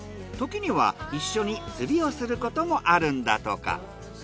ときには一緒に釣りをすることもあるんだとか。